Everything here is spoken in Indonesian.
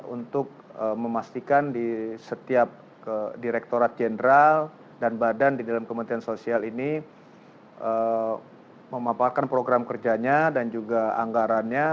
untuk memastikan di setiap direkturat jenderal dan badan di dalam kementerian sosial ini memaparkan program kerjanya dan juga anggarannya